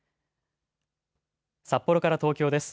札幌から東京です。